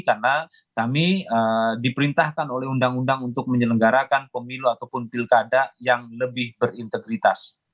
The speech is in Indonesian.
karena kami diperintahkan oleh undang undang untuk menyelenggarakan pemilu ataupun pilkada yang lebih berintegritas